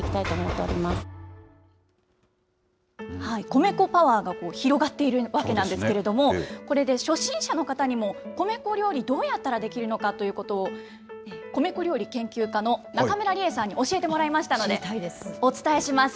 米粉パワーが広がっているわけなんですけれども、これで初心者の方にも、米粉料理、どうやったらできるのかということを、米粉料理研究家の中村りえさんに教えてもらいましたので、お伝えします。